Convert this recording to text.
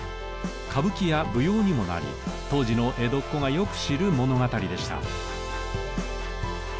歌舞伎や舞踊にもなり当時の江戸っ子がよく知る物語でした。